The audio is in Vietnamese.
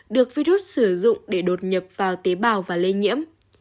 được virus sử dụng để đột nhập vào tế bào và lây nhiễm